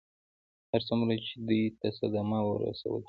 هر څومره چې دوی ته صدمه ورسول شي.